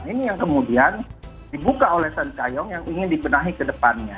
ini yang kemudian dibuka oleh cintayong yang ingin dibenahi kedepannya